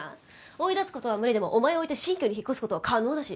追い出す事は無理でもお前を置いて新居に引っ越す事は可能だし。